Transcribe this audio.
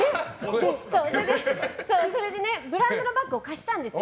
それでね、ブランドのバッグを貸したんです。